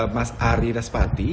mas ari raspati